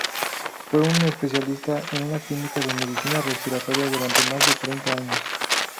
Fue un especialista en una clínica de medicina respiratoria durante más de treinta años.